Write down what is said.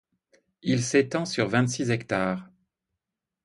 Il s'étend sur vingt-six hectares.